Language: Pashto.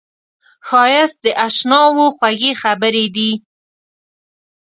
ښایست د اشناوو خوږې خبرې دي